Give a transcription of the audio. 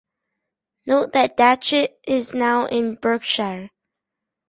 Note that Datchet is now in Berkshire.